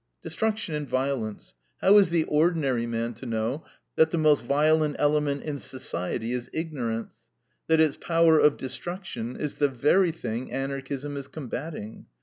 Destruction and violence! How is the ordinary man to know that the most violent element in society is ignorance; that its power of destruction is the very thing Anarchism is combating?